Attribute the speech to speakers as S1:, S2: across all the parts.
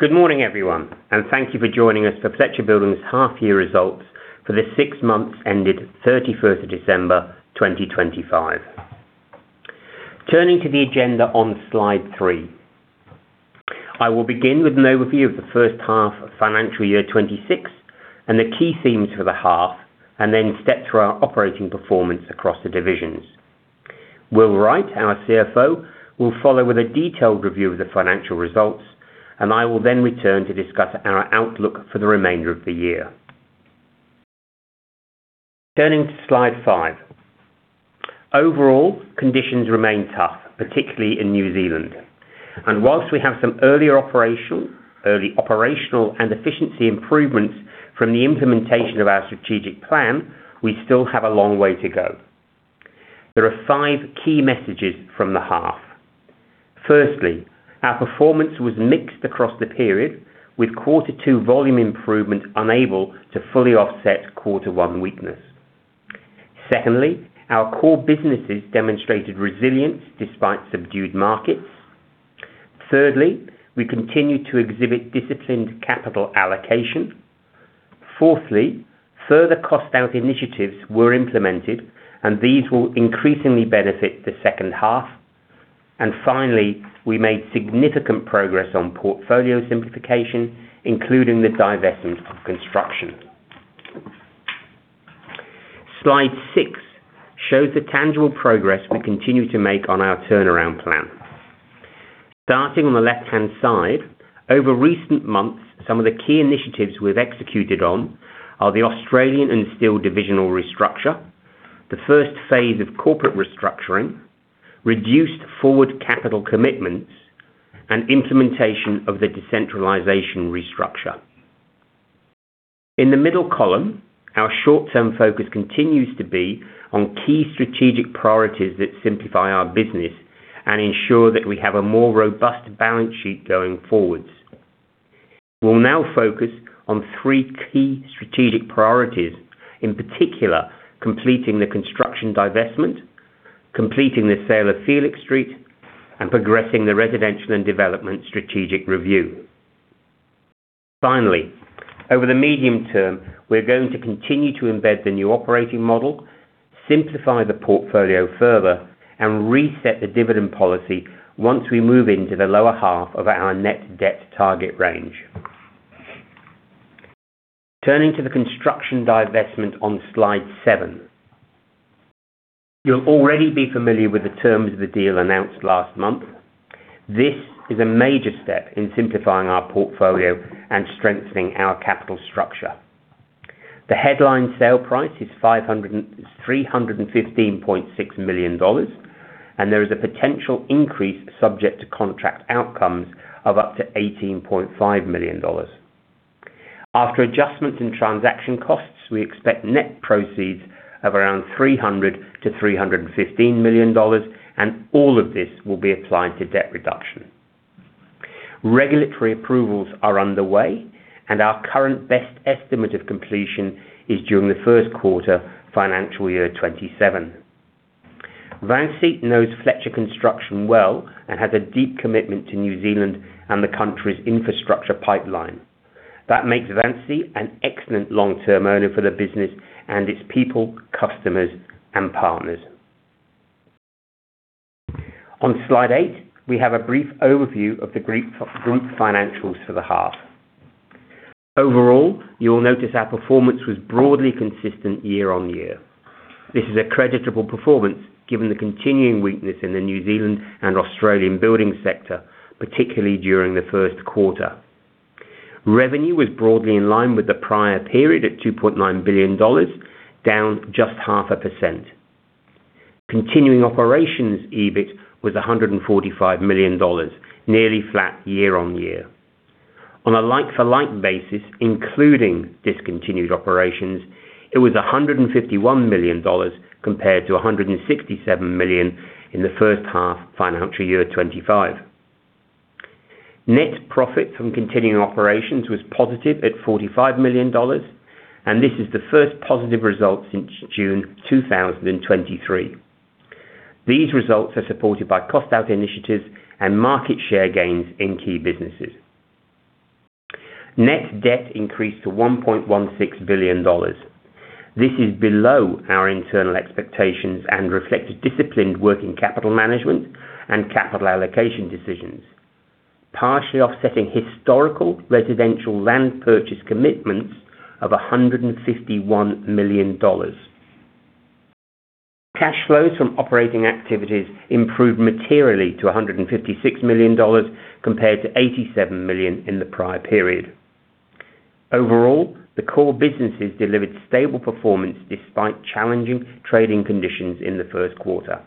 S1: Good morning, everyone, and thank you for joining us for Fletcher Building's half year results for the six months ended 31st December 2025. Turning to the agenda on Slide 3. I will begin with an overview of the first half of financial year 2026 and the key themes for the half, and then step through our operating performance across the divisions. Will Wright, our CFO, will follow with a detailed review of the financial results, and I will then return to discuss our outlook for the remainder of the year. Turning to Slide 5. Overall, conditions remain tough, particularly in New Zealand, and while we have some early operational and efficiency improvements from the implementation of our strategic plan, we still have a long way to go. There are five key messages from the half. Firstly, our performance was mixed across the period, with Quarter 2 volume improvement unable to fully offset Quarter 1 weakness. Secondly, our core businesses demonstrated resilience despite subdued markets. Thirdly, we continued to exhibit disciplined capital allocation. Fourthly, further cost out initiatives were implemented, and these will increasingly benefit the second half. And finally, we made significant progress on portfolio simplification, including the divestment of construction. Slide 6 shows the tangible progress we continue to make on our turnaround plan. Starting on the left-hand side, over recent months, some of the key initiatives we've executed on are the Australian and Steel divisional restructure, the first phase of corporate restructuring, reduced forward capital commitments, and implementation of the decentralization restructure. In the middle column, our short-term focus continues to be on key strategic priorities that simplify our business and ensure that we have a more robust balance sheet going forward. We'll now focus on three key strategic priorities, in particular, completing the construction divestment, completing the sale of Felix Street, and progressing the residential and development strategic review. Finally, over the medium term, we're going to continue to embed the new operating model, simplify the portfolio further, and reset the dividend policy once we move into the lower half of our net debt target range. Turning to the construction divestment on Slide 7. You'll already be familiar with the terms of the deal announced last month. This is a major step in simplifying our portfolio and strengthening our capital structure. The headline sale price is 315.6 million dollars, and there is a potential increase subject to contract outcomes of up to 18.5 million dollars. After adjustments in transaction costs, we expect net proceeds of around 300 million-315 million dollars, and all of this will be applied to debt reduction. Regulatory approvals are underway, and our current best estimate of completion is during the Q1, financial year 2027. VINCI knows Fletcher Construction well and has a deep commitment to New Zealand and the country's infrastructure pipeline. That makes VINCI an excellent long-term owner for the business and its people, customers, and partners. On Slide 8, we have a brief overview of the group, group financials for the half. Overall, you will notice our performance was broadly consistent year-on-year. This is a creditable performance given the continuing weakness in the New Zealand and Australian building sector, particularly during the Q1. Revenue was broadly in line with the prior period at 2.9 billion dollars, down just 0.5%. Continuing operations EBIT was 145 million dollars, nearly flat year-on-year. On a like-for-like basis, including discontinued operations, it was 151 million dollars compared to 167 million in the first half, financial year 2025. Net profit from continuing operations was positive at 45 million dollars, and this is the first positive result since June 2023. These results are supported by cost out initiatives and market share gains in key businesses. Net debt increased to 1.16 billion dollars. This is below our internal expectations and reflected disciplined working capital management and capital allocation decisions, partially offsetting historical residential land purchase commitments of 151 million dollars. Cash flows from operating activities improved materially to 156 million dollars, compared to 87 million in the prior period. Overall, the core businesses delivered stable performance despite challenging trading conditions in the Q1.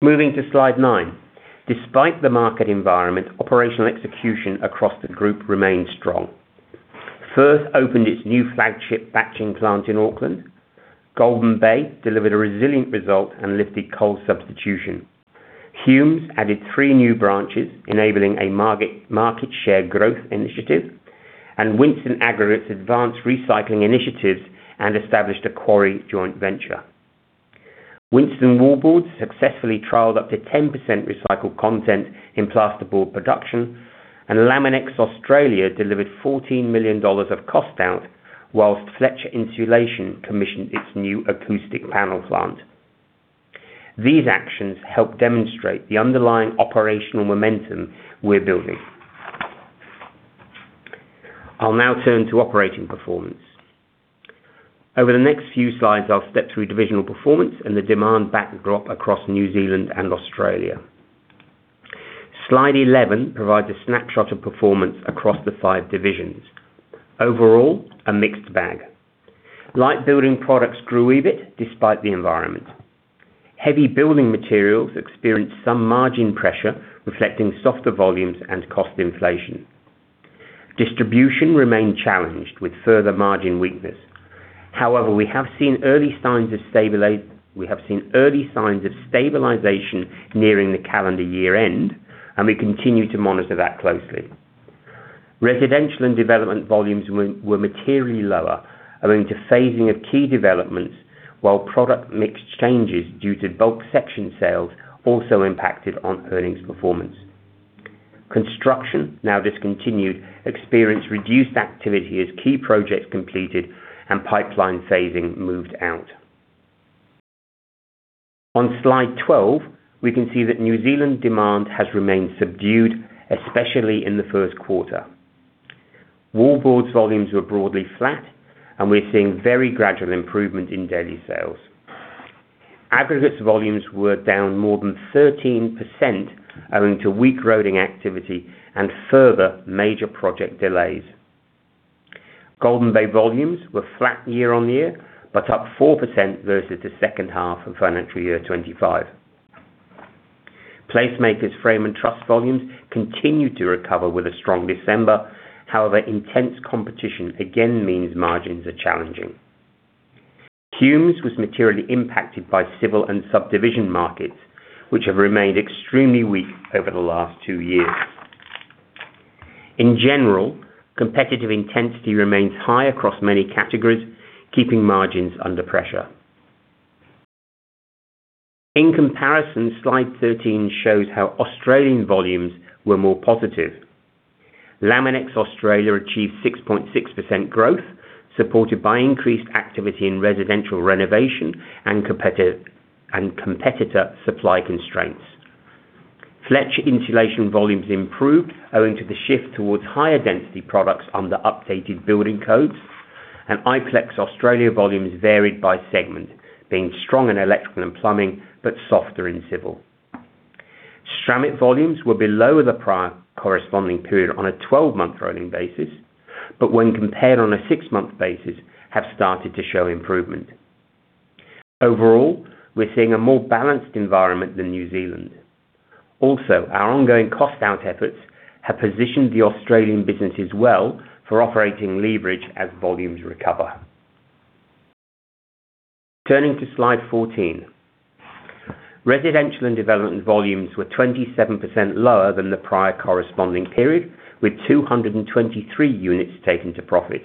S1: Moving to Slide 9. Despite the market environment, operational execution across the group remained strong. Firth opened its new flagship batching plant in Auckland. Golden Bay delivered a resilient result and lifted coal substitution. Humes added 3 new branches, enabling a market share growth initiative, and Winstone Aggregates advanced recycling initiatives and established a quarry joint venture. Winstone Wallboards successfully trialed up to 10% recycled content in plasterboard production, and Laminex Australia delivered 14 million dollars of cost out, whilst Fletcher Insulation commissioned its new acoustic panel plant. These actions help demonstrate the underlying operational momentum we're building. I'll now turn to operating performance. Over the next few slides, I'll step through divisional performance and the demand backdrop across New Zealand and Australia. Slide 11 provides a snapshot of performance across the 5 divisions. Overall, a mixed bag. Light building products grew EBIT despite the environment. Heavy building materials experienced some margin pressure, reflecting softer volumes and cost inflation. Distribution remained challenged with further margin weakness. However, we have seen early signs of stabilization nearing the calendar year end, and we continue to monitor that closely. Residential and development volumes were materially lower, owing to phasing of key developments, while product mix changes due to bulk section sales also impacted on earnings performance. Construction, now discontinued, experienced reduced activity as key projects completed and pipeline phasing moved out. On Slide 12, we can see that New Zealand demand has remained subdued, especially in the Q1. Wallboards volumes were broadly flat, and we're seeing very gradual improvement in daily sales. Aggregates volumes were down more than 13%, owing to weak roading activity and further major project delays. Golden Bay volumes were flat year-on-year, but up 4% versus the second half of financial year 2025. PlaceMakers Frame and Truss volumes continued to recover with a strong December. However, intense competition again means margins are challenging. Humes was materially impacted by civil and subdivision markets, which have remained extremely weak over the last 2 years. In general, competitive intensity remains high across many categories, keeping margins under pressure. In comparison, slide 13 shows how Australian volumes were more positive. Laminex Australia achieved 6.6% growth, supported by increased activity in residential renovation and competitive, and competitor supply constraints. Fletcher Insulation volumes improved owing to the shift towards higher density products under updated building codes, and Iplex Australia volumes varied by segment, being strong in electrical and plumbing, but softer in civil. Stramit volumes were below the prior corresponding period on a 12-month rolling basis, but when compared on a 6-month basis, have started to show improvement. Overall, we're seeing a more balanced environment than New Zealand. Also, our ongoing cost out efforts have positioned the Australian businesses well for operating leverage as volumes recover. Turning to Slide 14, residential and development volumes were 27% lower than the prior corresponding period, with 223 units taken to profit.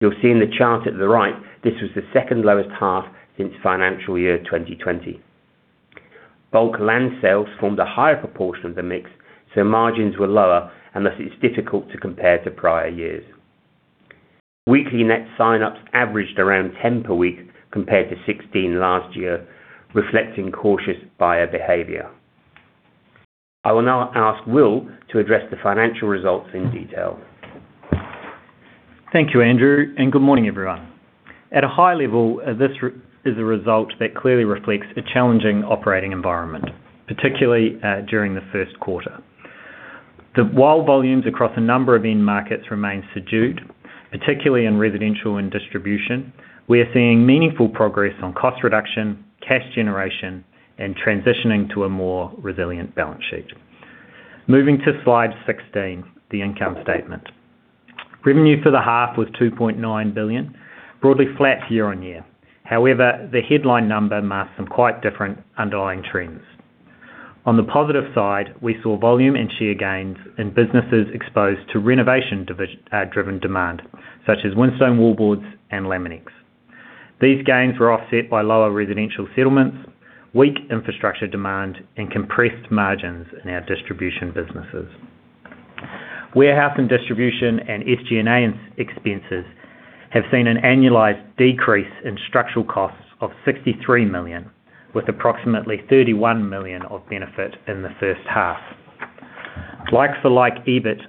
S1: You'll see in the chart at the right, this was the second lowest half since FY 2020. Bulk land sales formed a higher proportion of the mix, so margins were lower and thus it's difficult to compare to prior years. Weekly net sign-ups averaged around 10 per week, compared to 16 last year, reflecting cautious buyer behavior. I will now ask Will to address the financial results in detail.
S2: Thank you, Andrew, and good morning, everyone. At a high level, this is a result that clearly reflects a challenging operating environment, particularly during the Q1. The wall volumes across a number of end markets remain subdued, particularly in residential and distribution. We are seeing meaningful progress on cost reduction, cash generation, and transitioning to a more resilient balance sheet. Moving to Slide 16, the income statement. Revenue for the half was 2.9 billion, broadly flat year-on-year. However, the headline number marks some quite different underlying trends. On the positive side, we saw volume and share gains in businesses exposed to renovation driven demand, such as Winstone Wallboards and Laminex. These gains were offset by lower residential settlements, weak infrastructure demand, and compressed margins in our distribution businesses. Warehouse and distribution and SG&A expenses have seen an annualized decrease in structural costs of 63 million, with approximately 31 million of benefit in the first half. Like-for-like, EBIT,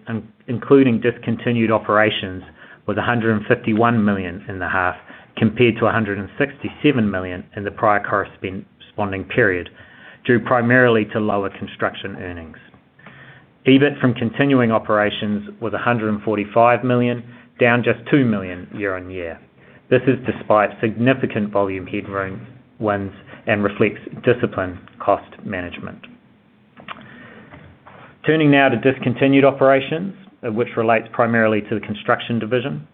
S2: including discontinued operations, was 151 million in the half, compared to 167 million in the prior corresponding period, due primarily to lower construction earnings. EBIT from continuing operations was 145 million, down just 2 million year-on-year. This is despite significant volume headroom, wins, and reflects disciplined cost management. Turning now to discontinued operations, which relates primarily to the construction division.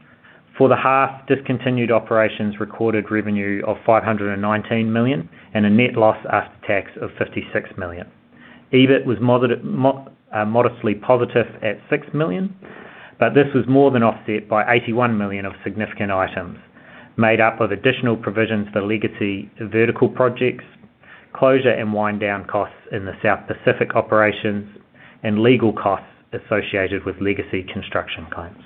S2: For the half, discontinued operations recorded revenue of 519 million, and a net loss after tax of 56 million. EBIT was modestly positive at 6 million. But this was more than offset by 81 million of significant items, made up of additional provisions for legacy vertical projects, closure and wind-down costs in the South Pacific operations, and legal costs associated with legacy construction claims.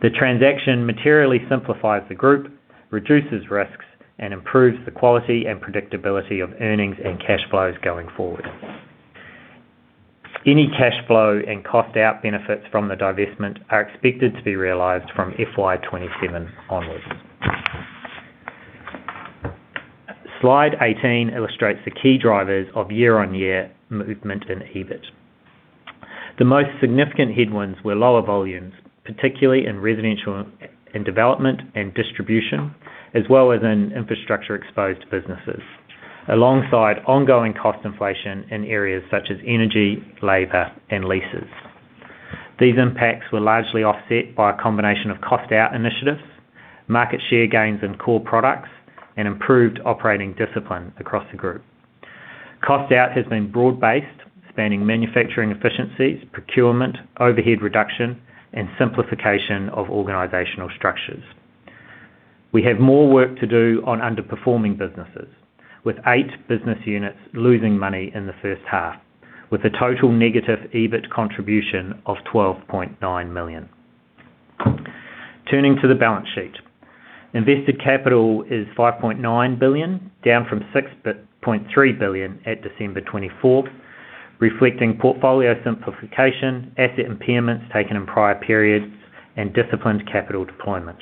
S2: The transaction materially simplifies the group, reduces risks, and improves the quality and predictability of earnings and cash flows going forward. Any cash flow and cost out benefits from the divestment are expected to be realized from FY 2027 onwards. Slide 18 illustrates the key drivers of year-on-year movement in EBIT. The most significant headwinds were lower volumes, particularly in residential and development and distribution, as well as in infrastructure-exposed businesses, alongside ongoing cost inflation in areas such as energy, labor, and leases. These impacts were largely offset by a combination of cost out initiatives, market share gains in core products, and improved operating discipline across the group. Cost out has been broad-based, spanning manufacturing efficiencies, procurement, overhead reduction, and simplification of organizational structures. We have more work to do on underperforming businesses, with eight business units losing money in the first half, with a total negative EBIT contribution of 12.9 million. Turning to the balance sheet: invested capital is 5.9 billion, down from 6.3 billion at December twenty-fourth, reflecting portfolio simplification, asset impairments taken in prior periods, and disciplined capital deployment.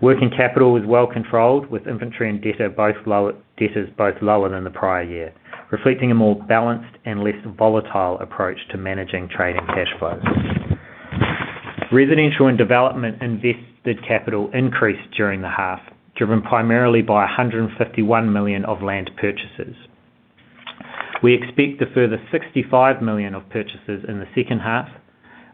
S2: Working capital was well controlled, with inventory and debtors both lower than the prior year, reflecting a more balanced and less volatile approach to managing trading cash flows. Residential and development invested capital increased during the half, driven primarily by 151 million of land purchases. We expect a further 65 million of purchases in the second half,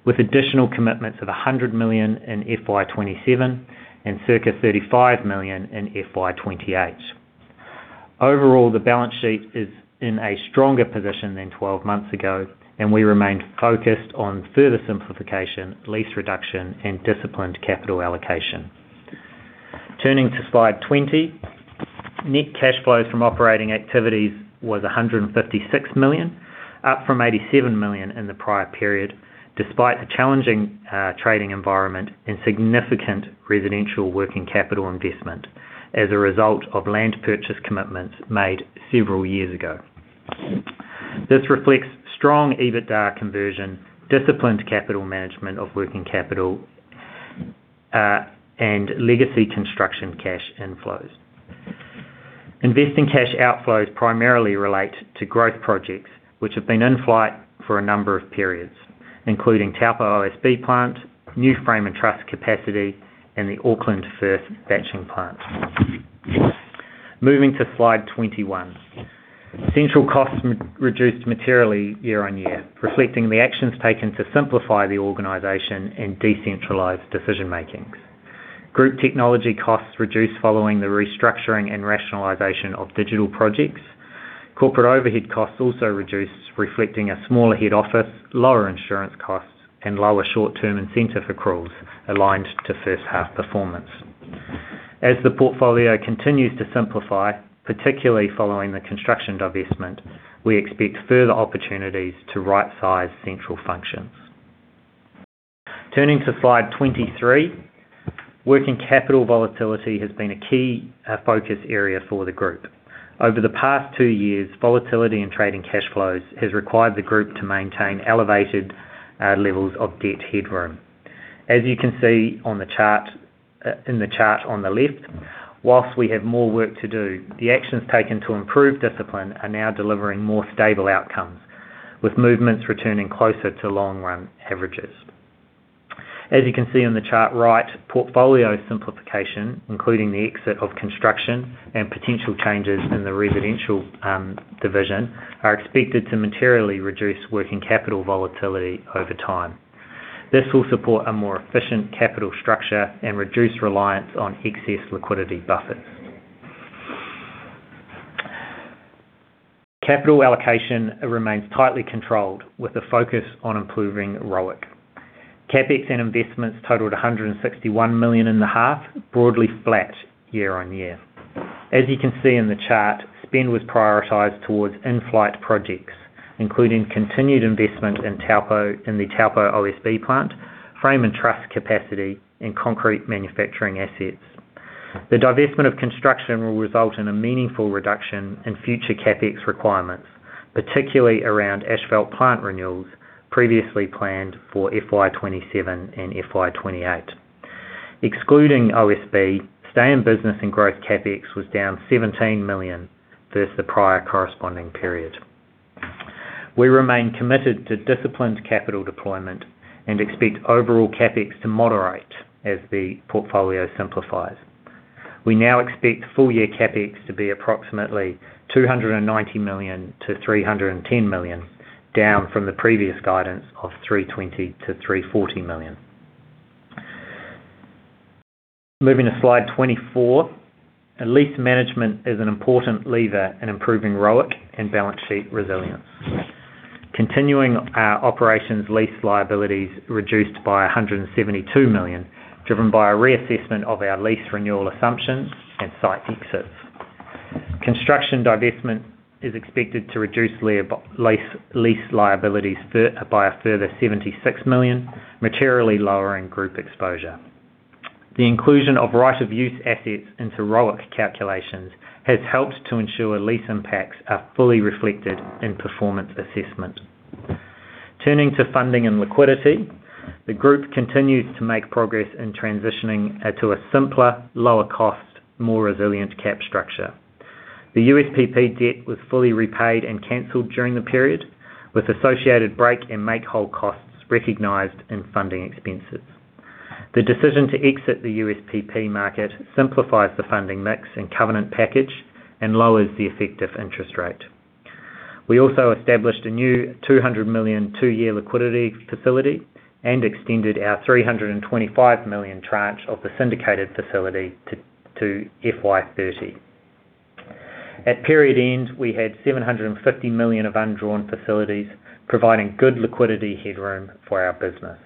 S2: with additional commitments of 100 million in FY 2027 and circa 35 million in FY 2028. Overall, the balance sheet is in a stronger position than twelve months ago, and we remain focused on further simplification, lease reduction, and disciplined capital allocation. Turning to slide 20, net cash flows from operating activities was 156 million, up from 87 million in the prior period, despite a challenging trading environment and significant residential working capital investment as a result of land purchase commitments made several years ago. This reflects strong EBITDA conversion, disciplined capital management of working capital, and legacy construction cash inflows. Investing cash outflows primarily relate to growth projects, which have been in flight for a number of periods, including Taupo OSB plant, new frame and truss capacity, and the Auckland Firth batching plant. Moving to slide 21. Central costs reduced materially year-on-year, reflecting the actions taken to simplify the organization and decentralize decision-making. Group technology costs reduced following the restructuring and rationalization of digital projects. Corporate overhead costs also reduced, reflecting a smaller head office, lower insurance costs, and lower short-term incentive accruals aligned to first half performance. As the portfolio continues to simplify, particularly following the construction divestment, we expect further opportunities to rightsize central functions. Turning to slide 23, working capital volatility has been a key focus area for the group. Over the past two years, volatility in trading cash flows has required the group to maintain elevated levels of debt headroom. As you can see on the chart, in the chart on the left, while we have more work to do, the actions taken to improve discipline are now delivering more stable outcomes, with movements returning closer to long-run averages. As you can see on the chart right, portfolio simplification, including the exit of construction and potential changes in the residential, division, are expected to materially reduce working capital volatility over time. This will support a more efficient capital structure and reduce reliance on excess liquidity buffers. Capital allocation remains tightly controlled, with a focus on improving ROIC. CapEx and investments totaled 161 million in the half, broadly flat year-on-year. As you can see in the chart, spend was prioritized towards in-flight projects, including continued investment in the Taupo OSB plant, frame and truss capacity, and concrete manufacturing assets. The divestment of construction will result in a meaningful reduction in future CapEx requirements, particularly around asphalt plant renewals previously planned for FY 2027 and FY 2028. Excluding OSB, stay in business and growth CapEx was down 17 million versus the prior corresponding period. We remain committed to disciplined capital deployment and expect overall CapEx to moderate as the portfolio simplifies. We now expect full-year CapEx to be approximately 290 million-310 million, down from the previous guidance of 320 million-340 million. Moving to slide 24. Lease management is an important lever in improving ROIC and balance sheet resilience. Continuing our operations lease liabilities reduced by 172 million, driven by a reassessment of our lease renewal assumptions and site exits. Construction divestment is expected to reduce lease liabilities by a further 76 million, materially lowering group exposure. The inclusion of right of use assets into ROIC calculations has helped to ensure lease impacts are fully reflected in performance assessment. Turning to funding and liquidity, the group continues to make progress in transitioning to a simpler, lower cost, more resilient cap structure. The USPP debt was fully repaid and canceled during the period, with associated break and make whole costs recognized in funding expenses. The decision to exit the USPP market simplifies the funding mix and covenant package and lowers the effective interest rate. We also established a new 200 million, two-year liquidity facility and extended our 325 million tranche of the syndicated facility to FY 2030. At period end, we had 750 million of undrawn facilities, providing good liquidity headroom for our business.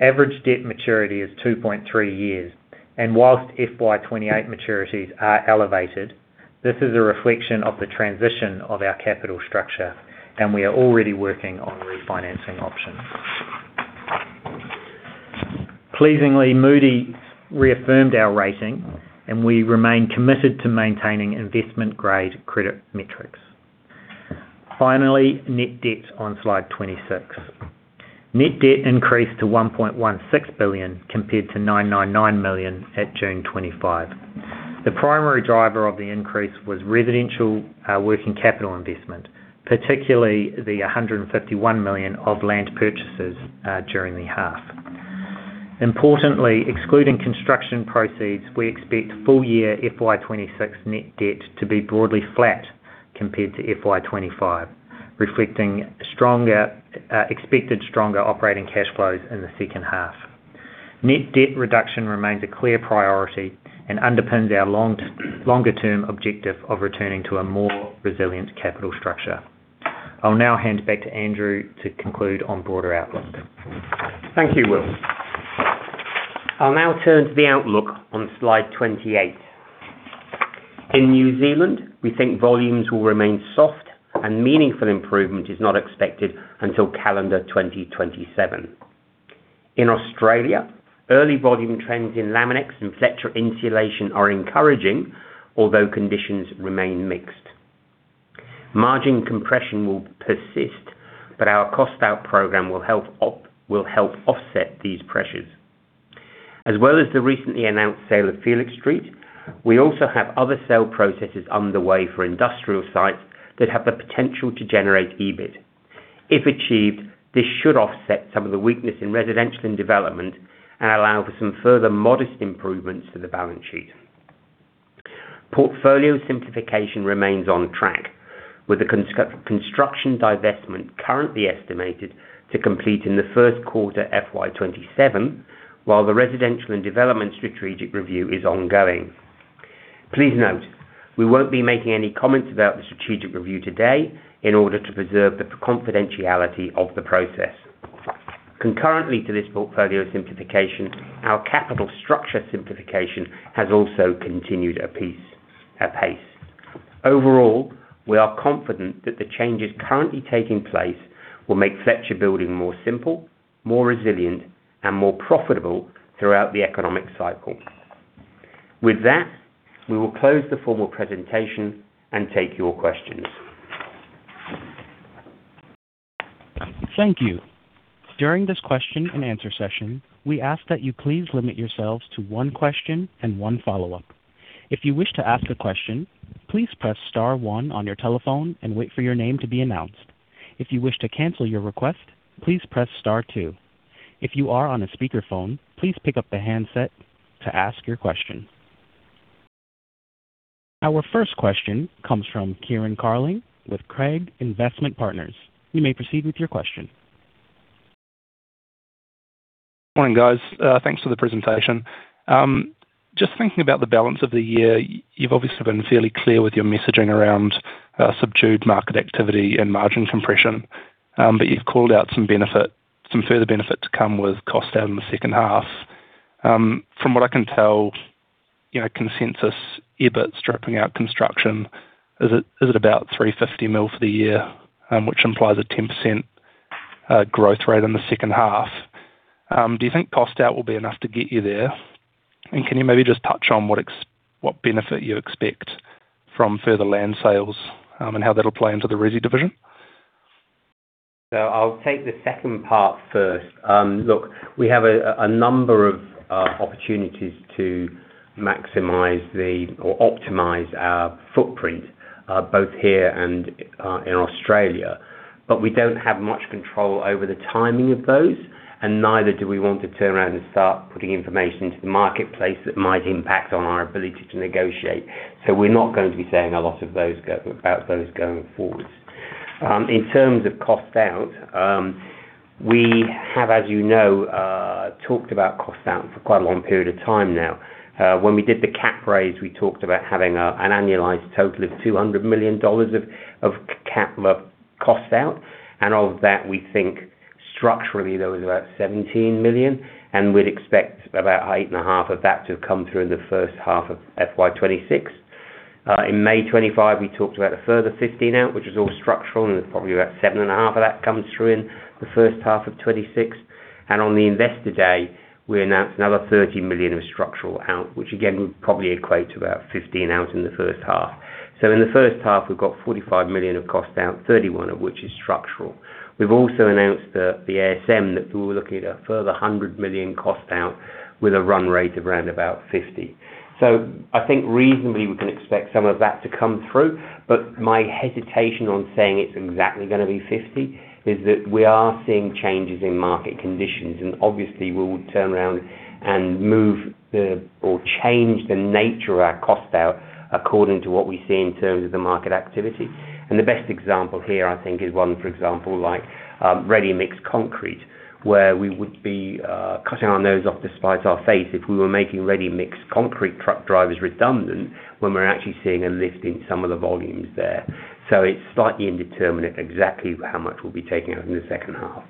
S2: Average debt maturity is 2.3 years, and while FY 2028 maturities are elevated, this is a reflection of the transition of our capital structure, and we are already working on refinancing options. Pleasingly, Moody's reaffirmed our rating, and we remain committed to maintaining investment-grade credit metrics. Finally, net debt on slide 26. Net debt increased to 1.16 billion compared to 999 million at June 2025. The primary driver of the increase was residential working capital investment, particularly the 151 million of land purchases during the half. Importantly, excluding construction proceeds, we expect full year FY 2026 net debt to be broadly flat compared to FY 2025, reflecting stronger expected stronger operating cash flows in the second half. Net debt reduction remains a clear priority and underpins our longer-term objective of returning to a more resilient capital structure. I'll now hand it back to Andrew to conclude on broader outlook.
S1: Thank you, Will. I'll now turn to the outlook on slide 28. In New Zealand, we think volumes will remain soft and meaningful improvement is not expected until calendar 2027. In Australia, early volume trends in Laminex and Fletcher Insulation are encouraging, although conditions remain mixed. Margin compression will persist, but our cost out program will help offset these pressures. As well as the recently announced sale of Felix Street, we also have other sale processes underway for industrial sites that have the potential to generate EBIT. If achieved, this should offset some of the weakness in residential and development and allow for some further modest improvements to the balance sheet. Portfolio simplification remains on track, with the construction divestment currently estimated to complete in the Q1 FY 2027, while the residential and development strategic review is ongoing. Please note, we won't be making any comments about the strategic review today in order to preserve the confidentiality of the process. Concurrently to this portfolio simplification, our capital structure simplification has also continued apace. Overall, we are confident that the changes currently taking place will make Fletcher Building more simple, more resilient, and more profitable throughout the economic cycle. With that, we will close the formal presentation and take your questions.
S3: Thank you. During this question and answer session, we ask that you please limit yourselves to one question and one follow-up. If you wish to ask a question, please press * one on your telephone and wait for your name to be announced. If you wish to cancel your request, please press * two. If you are on a speakerphone, please pick up the handset to ask your question. Our first question comes from Kieran Carling with Craigs Investment Partners. You may proceed with your question.
S4: Morning, guys. Thanks for the presentation. Just thinking about the balance of the year, you've obviously been fairly clear with your messaging around subdued market activity and margin compression, but you've called out some benefit, some further benefit to come with cost out in the second half. From what I can tell, you know, consensus EBIT stripping out construction, is it about 350 million for the year? Which implies a 10% growth rate in the second half. Do you think cost out will be enough to get you there? And can you maybe just touch on what benefit you expect from further land sales, and how that'll play into the resi division?
S1: So I'll take the second part first. Look, we have a number of opportunities to maximize the or optimize our footprint, both here and in Australia, but we don't have much control over the timing of those, and neither do we want to turn around and start putting information into the marketplace that might impact on our ability to negotiate. So we're not going to be saying a lot about those going forwards. In terms of cost out, we have, as you know, talked about cost out for quite a long period of time now. When we did the cap raise, we talked about having an annualized total of 200 million dollars of capital cost out, and of that, we think structurally, there was about 17 million, and we'd expect about 8.5 of that to come through in the first half of FY 2026. In May 2025, we talked about a further 15 out, which is all structural, and probably about 7.5 of that comes through in the first half of 2026. And on the investor day, we announced another 13 million of structural out, which again, would probably equate to about 15 out in the first half. So in the first half, we've got 45 million of cost out, 31 of which is structural. We've also announced that the ASM, that we were looking at a further 100 million cost out with a run rate of around about 50. So I think reasonably we can expect some of that to come through, but my hesitation on saying it's exactly gonna be 50, is that we are seeing changes in market conditions, and obviously we'll turn around and move the, or change the nature of our cost out according to what we see in terms of the market activity. And the best example here, I think, is one, for example, like ready-mix concrete, where we would be cutting our nose off despite our face, if we were making ready-mix concrete truck drivers redundant, when we're actually seeing a lift in some of the volumes there. So it's slightly indeterminate exactly how much we'll be taking out in the second half.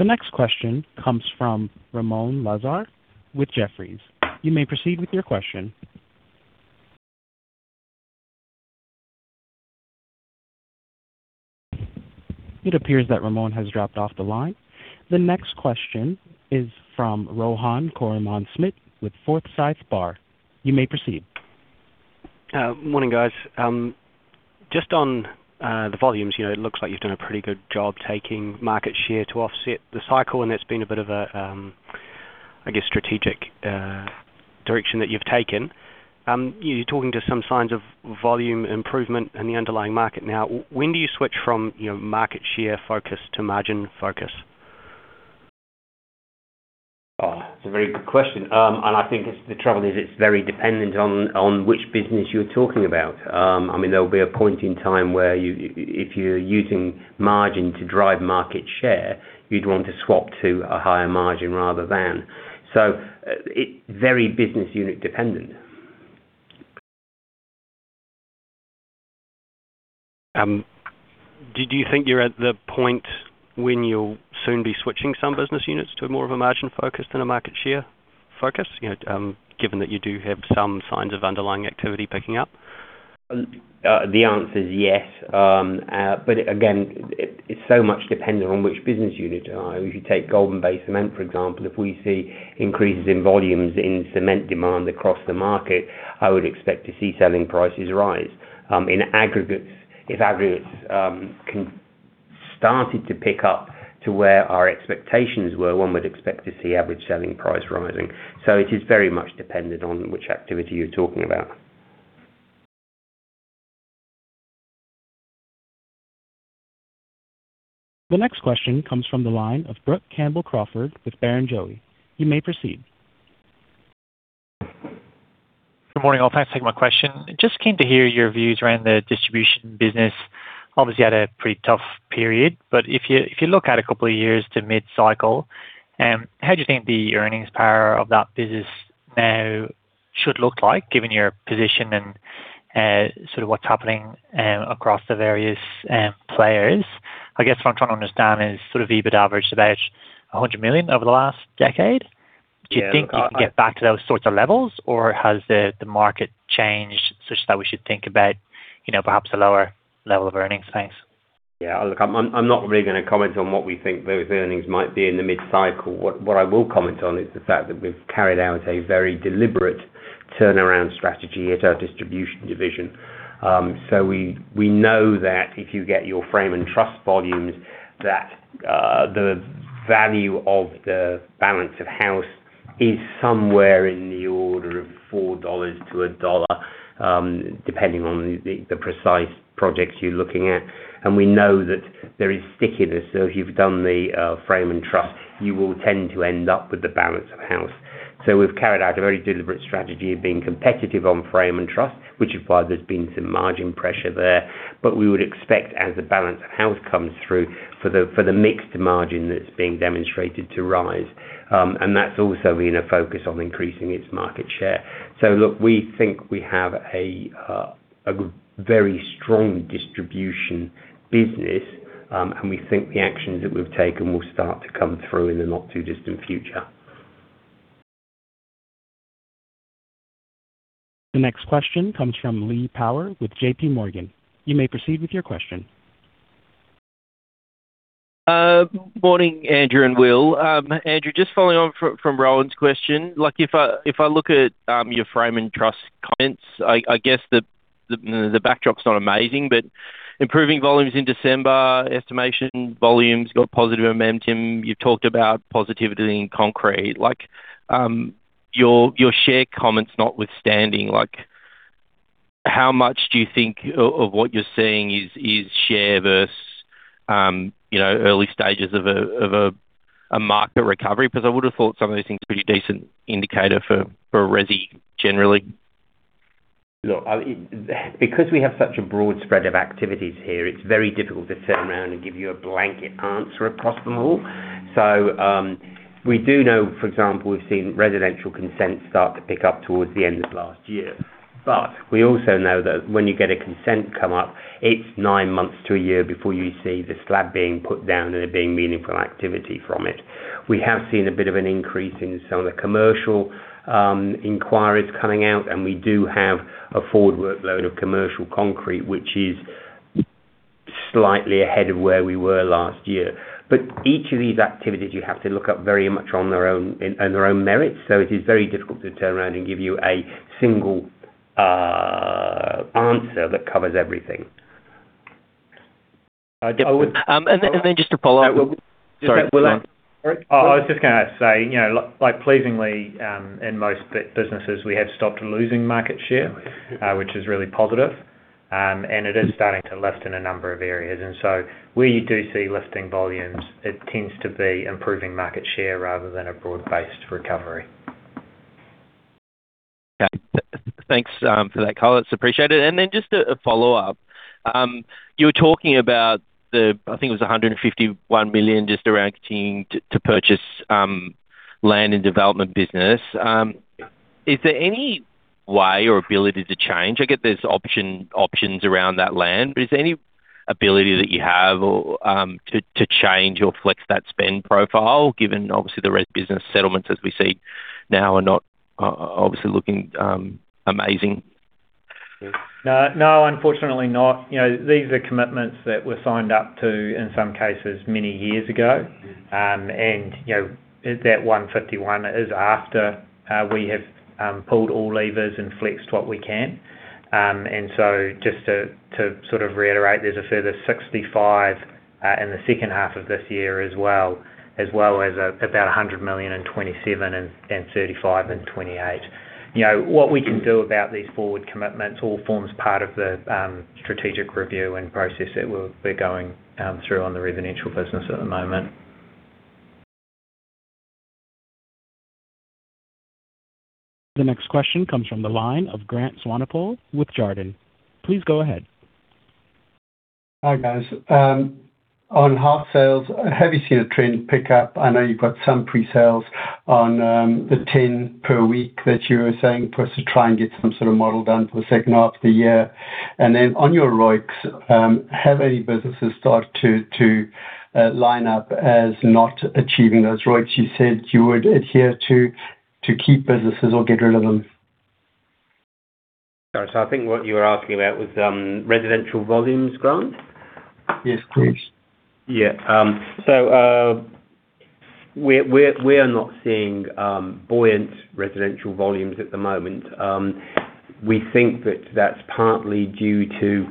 S3: The next question comes from Ramon Lazard with Jefferies. You may proceed with your question. It appears that Ramon has dropped off the line. The next question is from Rohan Koreman-Smit with Forsyth Barr. You may proceed.
S5: Morning, guys. Just on the volumes, you know, it looks like you've done a pretty good job taking market share to offset the cycle, and that's been a bit of a, I guess, strategic direction that you've taken. You're talking to some signs of volume improvement in the underlying market now. When do you switch from, you know, market share focus to margin focus?
S1: It's a very good question. And I think it's the trouble is, it's very dependent on which business you're talking about. I mean, there'll be a point in time where you, if you're using margin to drive market share, you'd want to swap to a higher margin rather than... So it's very business unit dependent.
S5: Do you think you're at the point when you'll soon be switching some business units to more of a margin focus than a market share focus? You know, given that you do have some signs of underlying activity picking up.
S1: The answer is yes. But again, it is so much dependent on which business unit. If you take Golden Bay Cement, for example, if we see increases in volumes in cement demand across the market, I would expect to see selling prices rise. In aggregates, if aggregates started to pick up to where our expectations were, one would expect to see average selling price rising. So it is very much dependent on which activity you're talking about.
S3: The next question comes from the line of Brook Campbell-Crawford with Barrenjoey. You may proceed.
S6: Good morning, all. Thanks for taking my question. Just came to hear your views around the distribution business. Obviously, had a pretty tough period, but if you, if you look at a couple of years to mid-cycle, how do you think the earnings power of that business now should look like, given your position and, sort of what's happening, across the various, players? I guess what I'm trying to understand is sort of EBIT average, about 100 million over the last decade.
S1: Yeah, look.
S6: Do you think you can get back to those sorts of levels, or has the market changed such that we should think about, you know, perhaps a lower level of earnings pace?
S1: Yeah. Look, I'm not really gonna comment on what we think those earnings might be in the mid-cycle. What I will comment on is the fact that we've carried out a very deliberate turnaround strategy at our distribution division. So we know that if you get your frame and truss volumes, that the value of the balance of house is somewhere in the order of 4 dollars to NZD 1, depending on the precise projects you're looking at. And we know that there is stickiness. So if you've done the frame and truss, you will tend to end up with the balance of house. So we've carried out a very deliberate strategy of being competitive on price and truss, which is why there's been some margin pressure there, but we would expect as the balance of house comes through, for the mixed margin that's being demonstrated to rise. And that's also been a focus on increasing its market share. So look, we think we have a very strong distribution business, and we think the actions that we've taken will start to come through in the not-too-distant future.
S3: The next question comes from Lee Power with JP Morgan. You may proceed with your question.
S7: Morning, Andrew and Will. Andrew, just following on from Rohan's question, like, if I look at your frame and trust comments, I guess the backdrop's not amazing, but improving volumes in December, estimation volumes got positive momentum. You've talked about positivity in concrete, like, your share comment's notwithstanding, like... How much do you think of what you're seeing is share versus, you know, early stages of a market recovery? Because I would have thought some of these things pretty decent indicator for resi generally.
S1: Look, because we have such a broad spread of activities here, it's very difficult to turn around and give you a blanket answer across the board. So, we do know, for example, we've seen residential consents start to pick up towards the end of last year. But we also know that when you get a consent come up, it's nine months to a year before you see the slab being put down and there being meaningful activity from it. We have seen a bit of an increase in some of the commercial inquiries coming out, and we do have a forward workload of commercial concrete, which is slightly ahead of where we were last year. But each of these activities, you have to look up very much on their own, in, on their own merits, so it is very difficult to turn around and give you a single, answer that covers everything.
S7: And then just to follow up. Sorry, go on.
S2: Oh, I was just gonna say, you know, like, pleasingly, in most businesses, we have stopped losing market share, which is really positive. And it is starting to lift in a number of areas. And so where you do see lifting volumes, it tends to be improving market share rather than a broad-based recovery.
S7: Yeah. Thanks for that, Colin. It's appreciated. And then just a follow-up. You were talking about the... I think it was 151 million just around continuing to purchase land and development business. Is there any way or ability to change? I get there's options around that land, but is there any ability that you have or to change or flex that spend profile, given obviously the resi business settlements as we see now are not obviously looking amazing?
S2: No. No, unfortunately not. You know, these are commitments that were signed up to, in some cases, many years ago. And you know, that 151 is after we have pulled all levers and flexed what we can. And so just to sort of reiterate, there's a further 65 in the second half of this year as well, as well as about 100 million and 27 and 35 and 28. You know, what we can do about these forward commitments all forms part of the strategic review and process that we're going through on the residential business at the moment.
S3: The next question comes from the line of Grant Swanepoel with Jarden. Please go ahead.
S8: Hi, guys. On hard sales, have you seen a trend pick up? I know you've got some pre-sales on, the 10 per week that you were saying, for us to try and get some sort of model done for the second half of the year. And then on your ROICs, have any businesses started to line up as not achieving those ROIC you said you would adhere to, to keep businesses or get rid of them?
S1: Sorry, so I think what you were asking about was residential volumes, Grant?
S8: Yes, please.
S1: Yeah. So, we're not seeing buoyant residential volumes at the moment. We think that that's partly due to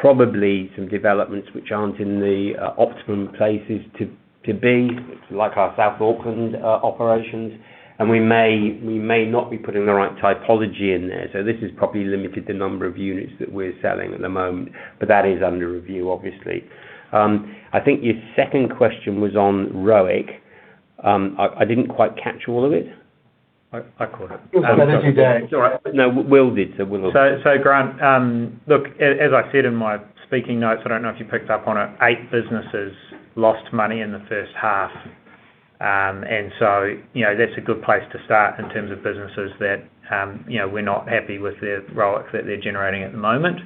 S1: probably some developments which aren't in the optimum places to be, like our South Auckland operations. And we may not be putting the right typology in there, so this has probably limited the number of units that we're selling at the moment, but that is under review, obviously. I think your second question was on ROIC. I didn't quite catch all of it.
S2: I caught it.
S8: I got nothing to [add].
S1: All right. No, Will did, so Will...
S2: So, so, Grant, look, as I said in my speaking notes, I don't know if you picked up on it, 8 businesses lost money in the first half. And so, you know, that's a good place to start in terms of businesses that, you know, we're not happy with the ROIC that they're generating at the moment.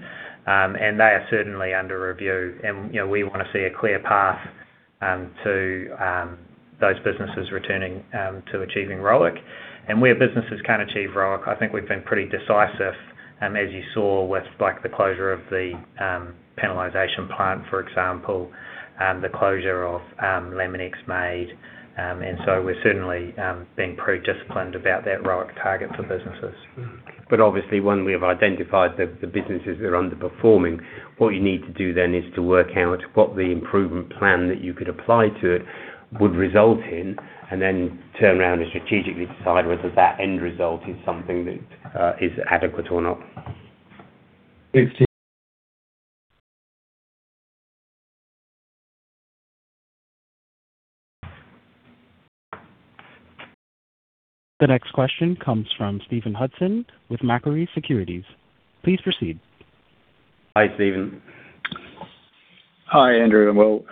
S2: And they are certainly under review, and, you know, we want to see a clear path to those businesses returning to achieving ROIC. And where businesses can achieve ROIC, I think we've been pretty decisive, as you saw with, like, the closure of the panelization plant, for example, the closure of Laminex MDF. And so we're certainly being pretty disciplined about that ROIC target for businesses.
S1: Obviously, when we have identified the businesses that are underperforming, what you need to do then is to work out what the improvement plan that you could apply to it would result in, and then turn around and strategically decide whether that end result is something that is adequate or not.
S8: Thank you.
S3: The next question comes from Stephen Hudson with Macquarie Securities. Please proceed.
S1: Hi, Stephen.
S9: Hi, Andrew and Will.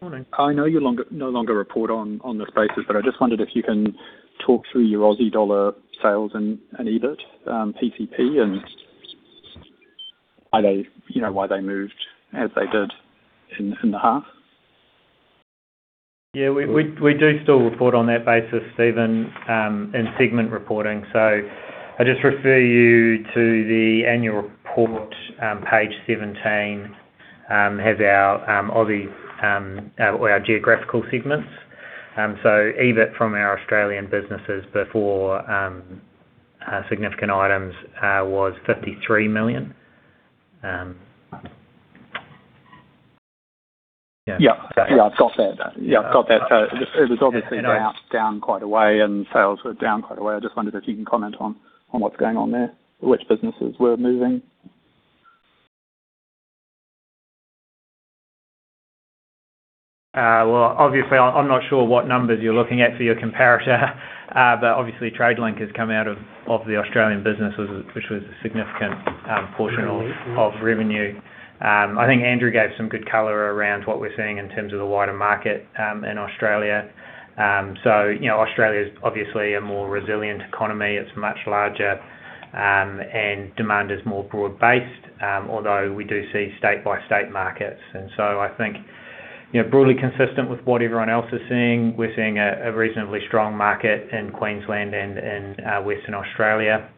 S1: Morning.
S9: I know you no longer report on this basis, but I just wondered if you can talk through your Aussie dollar sales and EBIT PCP, and, you know, why they moved as they did in the half?
S2: Yeah, we do still report on that basis, Stephen, in segment reporting. So I just refer you to the annual report, page 17, has our Aussie, well, our geographical segments. So EBIT from our Australian businesses before significant items was NZD 53 million.
S9: Yeah, yeah, I got that. Yeah, I got that. So it was obviously down, down quite a way, and sales were down quite a way. I just wondered if you can comment on, on what's going on there, which businesses were moving?
S2: Well, obviously, I'm not sure what numbers you're looking at for your comparator, but obviously Tradelink has come out of the Australian business, which was a significant portion of revenue. I think Andrew gave some good color around what we're seeing in terms of the wider market in Australia. So, you know, Australia's obviously a more resilient economy. It's much larger, and demand is more broad-based, although we do see state-by-state markets. And so I think, you know, broadly consistent with what everyone else is seeing, we're seeing a reasonably strong market in Queensland and Western Australia,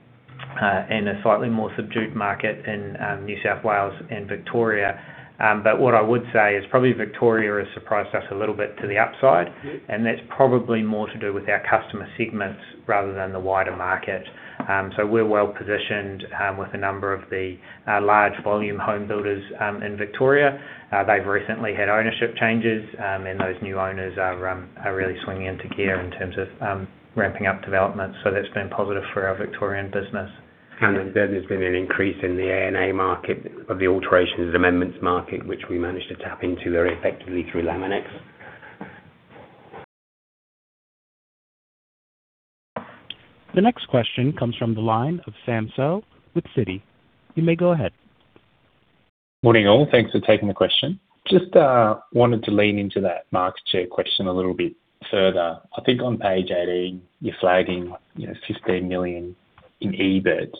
S2: and a slightly more subdued market in New South Wales and Victoria. What I would say is probably Victoria has surprised us a little bit to the upside, and that's probably more to do with our customer segments rather than the wider market. So we're well positioned with a number of the large volume home builders in Victoria. They've recently had ownership changes, and those new owners are really swinging into gear in terms of ramping up development. So that's been positive for our Victorian business.
S1: And then there's been an increase in the A&A market, of the alterations and amendments market, which we managed to tap into very effectively through Laminex.
S3: The next question comes from the line of Sam Seow with Citi. You may go ahead.
S10: Morning, all. Thanks for taking the question. Just, wanted to lean into that market share question a little bit further. I think on page 18, you're flagging, you know, 15 million in EBIT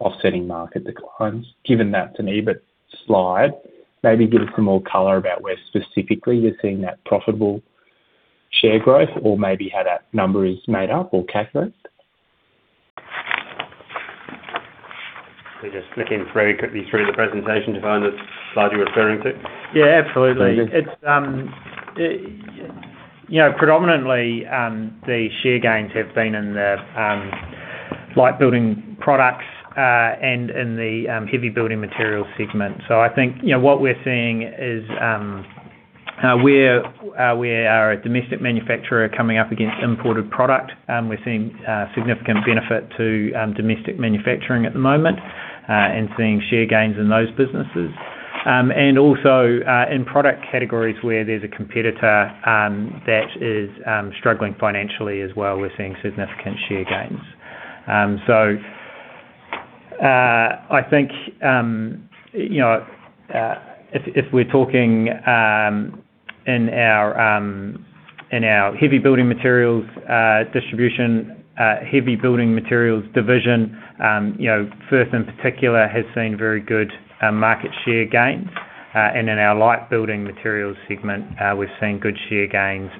S10: offsetting market declines. Given that to me, but slide, maybe give us some more color about where specifically you're seeing that profitable share growth or maybe how that number is made up or capped up?
S1: Let me just flick in very quickly through the presentation to find the slide you're referring to.
S2: Yeah, absolutely.
S1: Thank you.
S2: It's, you know, predominantly the share gains have been in the light-building products and in the heavy building materials segment. So I think, you know, what we're seeing is we are a domestic manufacturer coming up against imported product. We're seeing significant benefit to domestic manufacturing at the moment and seeing share gains in those businesses. And also in product categories where there's a competitor that is struggling financially as well, we're seeing significant share gains. So I think, you know, if we're talking in our heavy building materials distribution heavy building materials division, you know, Firth in particular has seen very good market share gains. In our light building materials segment, we've seen good share gains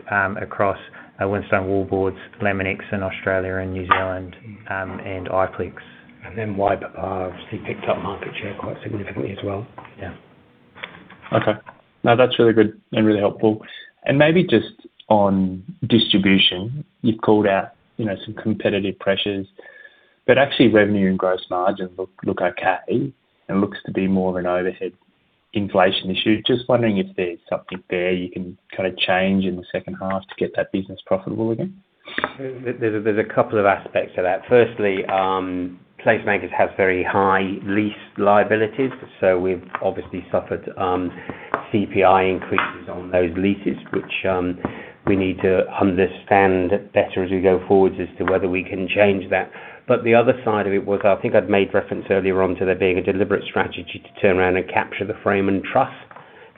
S2: across Winstone Wallboards, Laminex in Australia and New Zealand, and Iplex.
S1: And then Wibe obviously picked up market share quite significantly as well. Yeah.
S10: Okay. No, that's really good and really helpful. Maybe just on distribution, you've called out, you know, some competitive pressures, but actually, revenue and gross margins look okay, and looks to be more of an overhead inflation issue. Just wondering if there's something there you can kinda change in the second half to get that business profitable again?
S1: There's a couple of aspects to that. Firstly, PlaceMakers have very high lease liabilities, so we've obviously suffered CPI increases on those leases, which we need to understand better as we go forward as to whether we can change that. But the other side of it was, I think I'd made reference earlier on to there being a deliberate strategy to turn around and capture the frame and truss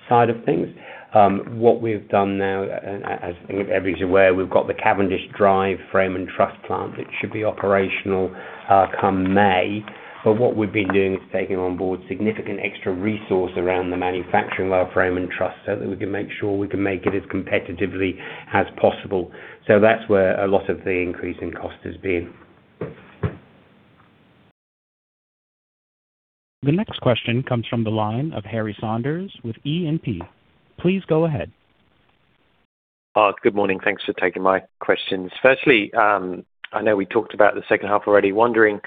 S1: side of things. What we've done now, as I think everybody's aware, we've got the Cavendish Drive frame and truss plant, which should be operational come May. But what we've been doing is taking on board significant extra resource around the manufacturing of our frame and truss, so that we can make sure we can make it as competitively as possible. So that's where a lot of the increase in cost has been.
S3: The next question comes from the line of Harry Saunders with E&P. Please go ahead.
S11: Good morning. Thanks for taking my questions. Firstly, I know we talked about the second half already. Wondering,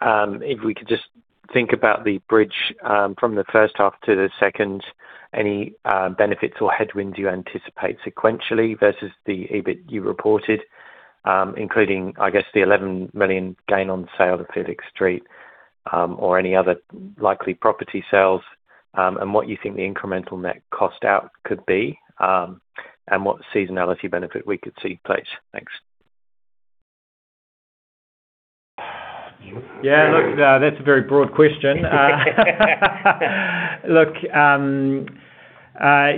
S11: if we could just think about the bridge, from the first half to the second, any, benefits or headwinds you anticipate sequentially versus the EBIT you reported, including, I guess, the 11 million gain on sale of the Felix Street, or any other likely property sales, and what you think the incremental net cost out could be, and what seasonality benefit we could see, please? Thanks.
S2: Yeah, look, that's a very broad question. Look,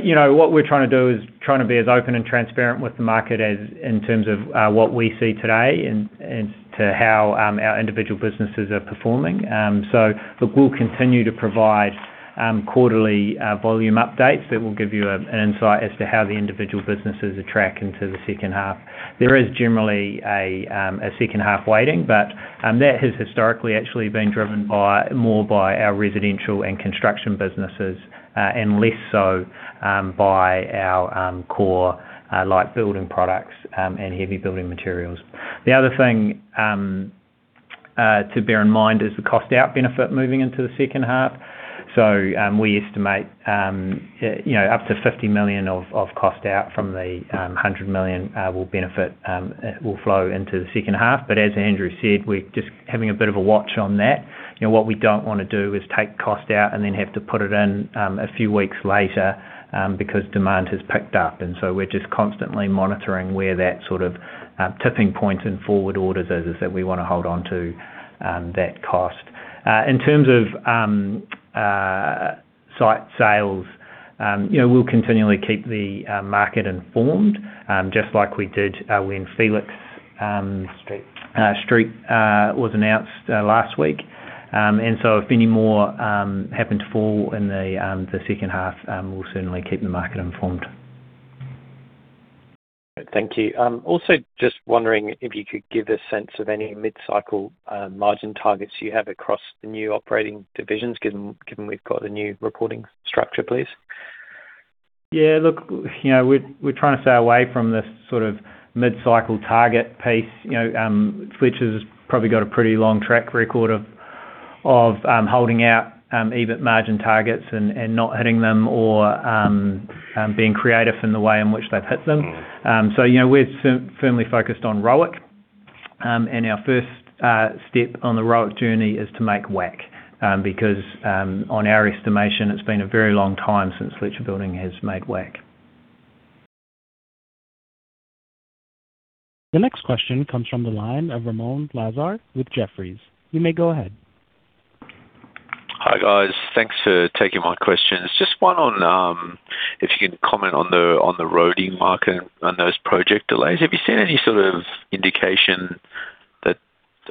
S2: you know, what we're trying to do is trying to be as open and transparent with the market as in terms of what we see today and to how our individual businesses are performing. So look, we'll continue to provide quarterly volume updates that will give you an insight as to how the individual businesses are tracking to the second half. There is generally a second-half weighting, but that has historically actually been driven by more by our residential and construction businesses and less so by our core like building products and heavy building materials. The other thing to bear in mind is the cost out benefit moving into the second half? So, we estimate, you know, up to 50 million of cost out from the 100 million will benefit, will flow into the second half. But as Andrew said, we're just having a bit of a watch on that. You know, what we don't wanna do is take cost out and then have to put it in a few weeks later because demand has picked up. And so we're just constantly monitoring where that sort of tipping point in forward orders is, that we wanna hold on to, that cost. In terms of site sales, you know, we'll continually keep the market informed just like we did when Felix Street Felix Street was announced last week. And so if any more happen to fall in the second half, we'll certainly keep the market informed.
S11: Thank you. Also just wondering if you could give a sense of any mid-cycle margin targets you have across the new operating divisions, given we've got a new reporting structure, please?
S2: Yeah, look, you know, we're, we're trying to stay away from the sort of mid-cycle target piece, you know, which has probably got a pretty long track record of, of, holding out, EBIT margin targets and, and not hitting them or, being creative in the way in which they've hit them. So, you know, we're firmly focused on ROIC. And our first step on the ROIC journey is to make WACC. Because, on our estimation, it's been a very long time since Fletcher Building has made WACC.
S3: The next question comes from the line of Ramoun Lazar with Jefferies. You may go ahead.
S12: Hi, guys. Thanks for taking my questions. Just one on, if you can comment on the roading market and on those project delays. Have you seen any sort of indication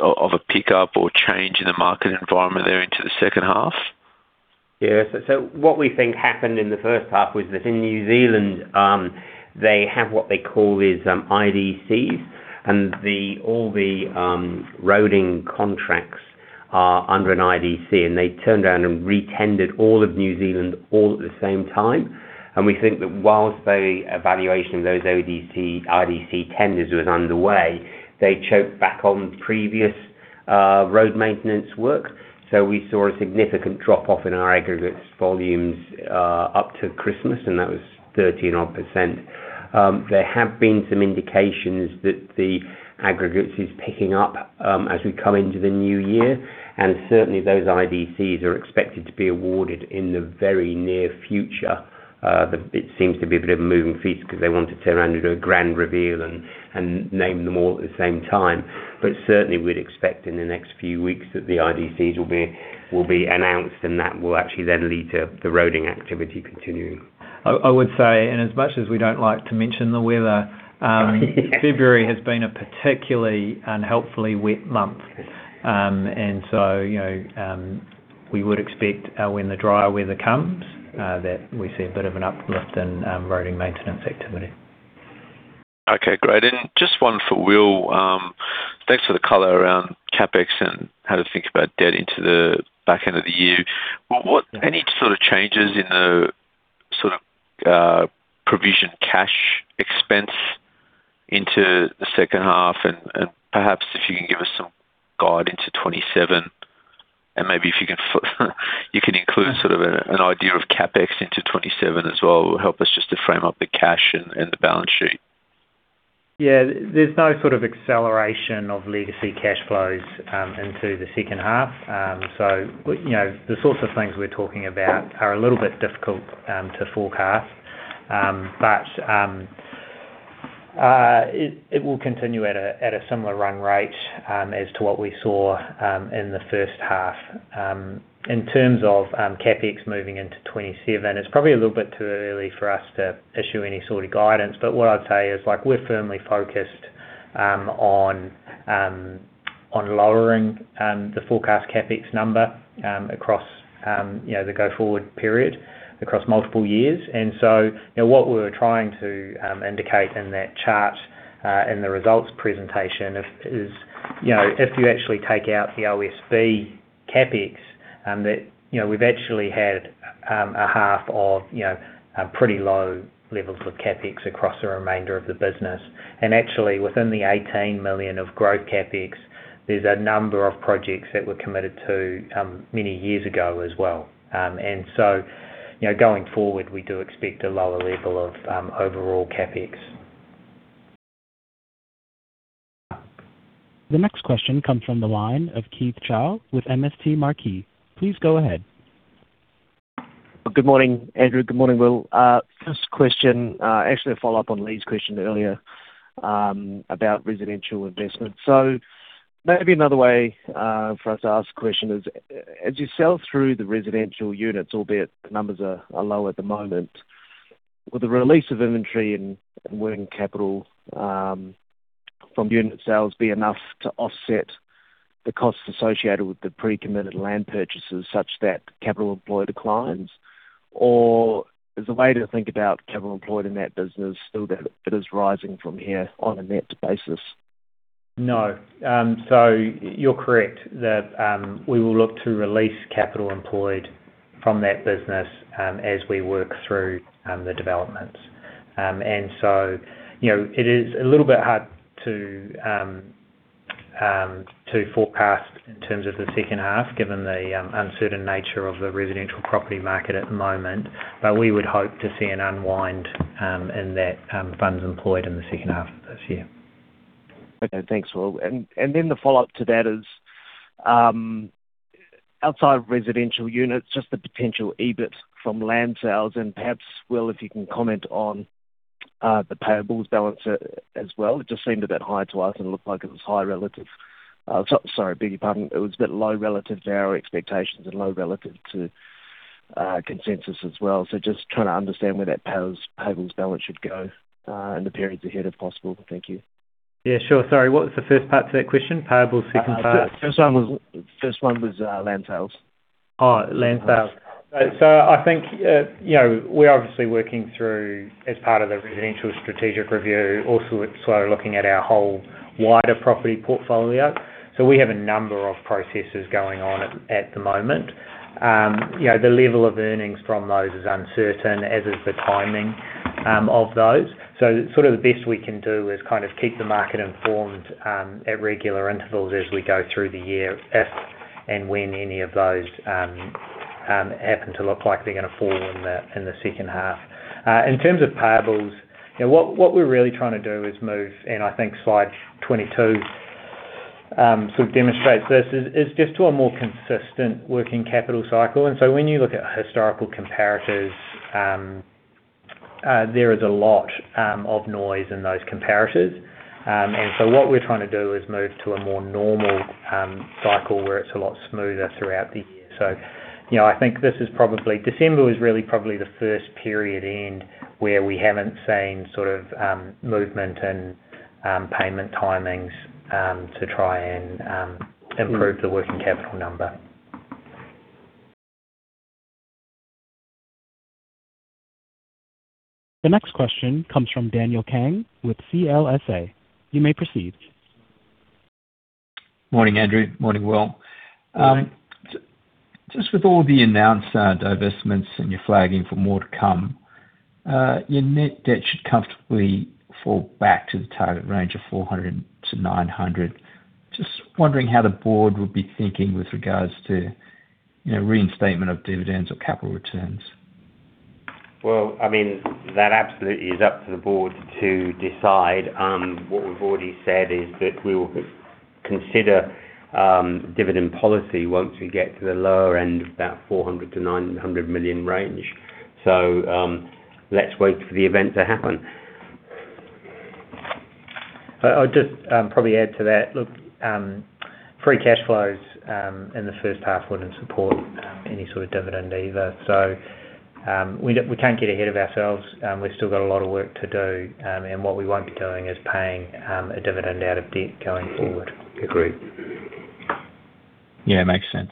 S12: of a pickup or change in the market environment there into the second half?
S1: Yeah. So what we think happened in the first half was that in New Zealand, they have what they call these, IDCs, and all the roading contracts are under an IDC, and they turned around and re-tendered all of New Zealand all at the same time. And we think that while the evaluation of those IDC tenders was underway, they choked back on previous road maintenance work. So we saw a significant drop-off in our aggregates volumes up to Christmas, and that was 13-odd%. There have been some indications that the aggregates is picking up as we come into the new year, and certainly those IDCs are expected to be awarded in the very near future. It seems to be a bit of a moving feast because they want to turn around and do a grand reveal and name them all at the same time. But certainly we'd expect in the next few weeks that the IDCs will be announced, and that will actually then lead to the roading activity continuing.
S2: I would say, and as much as we don't like to mention the weather, February has been a particularly unhelpfully wet month. And so, you know, we would expect, when the drier weather comes, that we see a bit of an uplift in roading maintenance activity.
S12: Okay, great. And just one for Will. Thanks for the color around CapEx and how to think about debt into the back end of the year. Well, any sort of changes in the, sort of, provision cash expense into the second half? And, and perhaps if you can give us some guide into 2027, and maybe if you can you can include sort of a, an idea of CapEx into 2027 as well, will help us just to frame up the cash and, and the balance sheet.
S2: Yeah, there's no sort of acceleration of legacy cash flows into the second half. So, you know, the sorts of things we're talking about are a little bit difficult to forecast. But it will continue at a similar run rate as to what we saw in the first half. In terms of CapEx moving into 2027, it's probably a little bit too early for us to issue any sort of guidance, but what I'd say is, like, we're firmly focused on lowering the forecast CapEx number across, you know, the go-forward period across multiple years. And so, you know, what we were trying to indicate in that chart in the results presentation is, you know, if you actually take out the OSB CapEx, that, you know, we've actually had a half of, you know, a pretty low levels of CapEx across the remainder of the business. And actually, within the 18 million of growth CapEx, there's a number of projects that were committed to many years ago as well. And so, you know, going forward, we do expect a lower level of overall CapEx.
S3: The next question comes from the line of Keith Chau with MST Marquee. Please go ahead.
S13: Good morning, Andrew. Good morning, Will. First question, actually a follow-up on Lee's question earlier, about residential investment. So maybe another way for us to ask the question is, as you sell through the residential units, albeit the numbers are low at the moment, will the release of inventory and working capital from unit sales be enough to offset the costs associated with the pre-committed land purchases, such that capital employed declines? Or is the way to think about capital employed in that business, still, that it is rising from here on a net basis?
S2: No. So you're correct that, we will look to release capital employed from that business, as we work through the developments. And so, you know, it is a little bit hard to forecast in terms of the second half, given the uncertain nature of the residential property market at the moment. But we would hope to see an unwind in that funds employed in the second half of this year.
S13: Okay, thanks, Will. And then the follow-up to that is, outside of residential units, just the potential EBIT from land sales, and perhaps, Will, if you can comment on the payables balance as well. It just seemed a bit high to us, and it looked like it was high relative, so, sorry, beg your pardon. It was a bit low relative to our expectations and low relative to consensus as well. So just trying to understand where that payables balance should go in the periods ahead, if possible. Thank you.
S2: Yeah, sure. Sorry, what was the first part to that question? Payables, second part.
S13: First one was land sales.
S1: Oh, land sales. So I think, you know, we're obviously working through, as part of the residential strategic review, also sort of looking at our whole wider property portfolio. So we have a number of processes going on at the moment. You know, the level of earnings from those is uncertain, as is the timing of those. So sort of the best we can do is kind of keep the market informed at regular intervals as we go through the year, if and when any of those happen to look like they're gonna fall in the second half. In terms of payables, you know, what we're really trying to do is move, and I think slide 22 sort of demonstrates this, is just to a more consistent working capital cycle.
S2: And so when you look at historical comparatives, there is a lot of noise in those comparatives. And so what we're trying to do is move to a more normal cycle, where it's a lot smoother throughout the year. So, you know, I think this is probably December, really probably the first period end, where we haven't seen sort of movement and payment timings to try and improve the working capital number.
S3: The next question comes from Daniel Kang with CLSA. You may proceed.
S14: Morning, Andrew. Morning, Will.
S1: Morning.
S14: Just with all the announced divestments and you're flagging for more to come, your net debt should comfortably fall back to the target range of 400-900. Just wondering how the board would be thinking with regards to, you know, reinstatement of dividends or capital returns.
S1: Well, I mean, that absolutely is up to the board to decide. What we've already said is that we will consider dividend policy once we get to the lower end of that 400 million-900 million range. So, let's wait for the event to happen.
S2: I'll just probably add to that. Look, free cash flows in the first half wouldn't support any sort of dividend either. So, we can't get ahead of ourselves, we've still got a lot of work to do, and what we won't be doing is paying a dividend out of debt going forward.
S1: Agreed.
S14: Yeah, makes sense.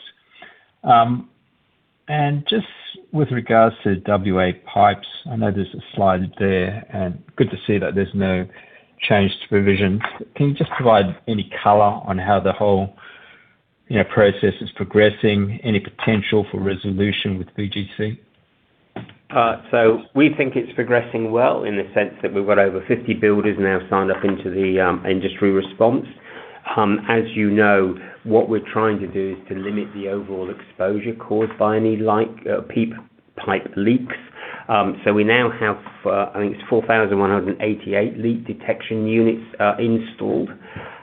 S14: And just with regards to WA Pipes, I know there's a slide there, and good to see that there's no change to provisions. Can you just provide any color on how the whole, you know, process is progressing, any potential for resolution with BGC?
S1: So we think it's progressing well in the sense that we've got over 50 builders now signed up into the industry response. As you know, what we're trying to do is to limit the overall exposure caused by any like pipe leaks. So we now have, I think it's 4,188 leak detection units installed,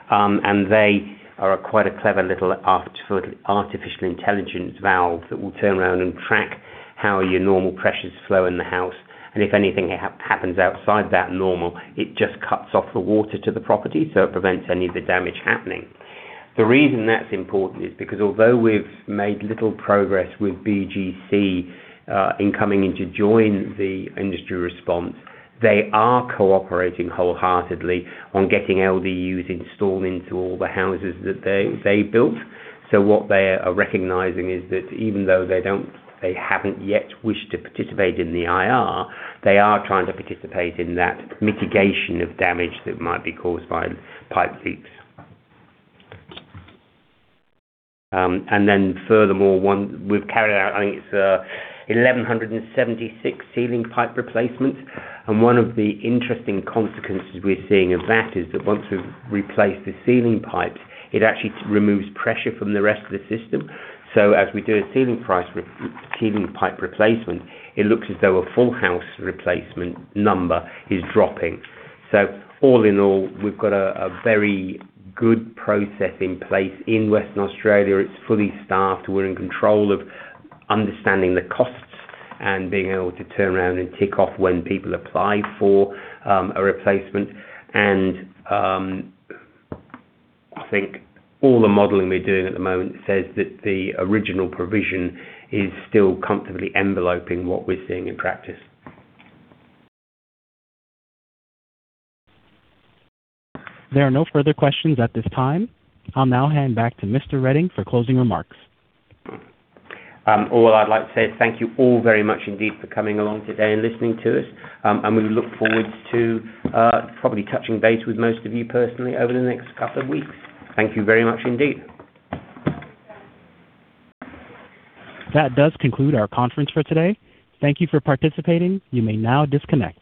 S1: and they are quite a clever little artificial intelligence valve that will turn around and track how your normal pressures flow in the house, and if anything happens outside that normal, it just cuts off the water to the property, so it prevents any of the damage happening. The reason that's important is because although we've made little progress with BGC in coming in to join the industry response, they are cooperating wholeheartedly on getting LDUs installed into all the houses that they, they built. So what they are recognizing is that even though they don't-- they haven't yet wished to participate in the IR, they are trying to participate in that mitigation of damage that might be caused by pipe leaks. And then furthermore, we've carried out, I think it's, 1,176 ceiling pipe replacements, and one of the interesting consequences we're seeing of that is that once we've replaced the ceiling pipes, it actually removes pressure from the rest of the system. So as we do a ceiling pipe replacement, it looks as though a full house replacement number is dropping. So all in all, we've got a very good process in place in Western Australia. It's fully staffed. We're in control of understanding the costs and being able to turn around and kick off when people apply for a replacement. And I think all the modeling we're doing at the moment says that the original provision is still comfortably enveloping what we're seeing in practice.
S3: There are no further questions at this time. I'll now hand back to Mr. Reding for closing remarks.
S1: Well, I'd like to say thank you all very much indeed for coming along today and listening to us. And we look forward to probably touching base with most of you personally over the next couple of weeks. Thank you very much indeed.
S3: That does conclude our conference for today. Thank you for participating. You may now disconnect.